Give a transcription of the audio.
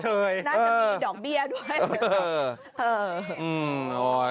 ทดเถยนั่นมีดอกเบี้ยด้วย